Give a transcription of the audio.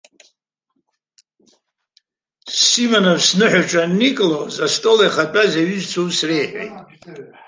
Симонов сныҳәаҿа анникылоз астол иахатәаз аҩызцәа ус реиҳәеит.